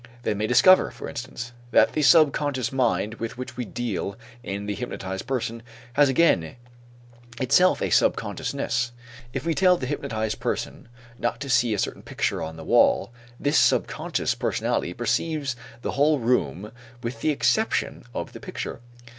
They may discover, for instance, that the subconscious mind with which we deal in the hypnotized person has again itself a subconsciousness. If we tell the hypnotized person not to see a certain picture on the wall, this subconscious personality perceives the whole room with the exception of the picture.